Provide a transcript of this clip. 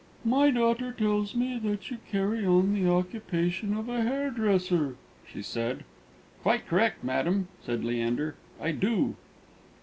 "My daughter tells me that you carry on the occupation of a hairdresser," she said. "Quite correct, madam," said Leander; "I do."